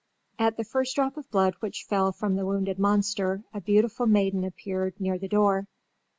At the first drop of blood which fell from the wounded monster a beautiful maiden appeared near the door.